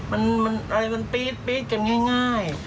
มันอะไรมันปี๊ดกันง่าย